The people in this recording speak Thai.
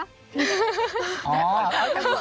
โอ้ครั้งหลัง